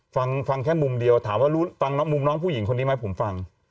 ฟังฟังแค่มุมเดียวถามว่ารู้ฟังมุมน้องผู้หญิงคนนี้ไหมผมฟัง